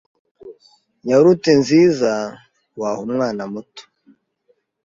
yawurute nziza waha umwana muto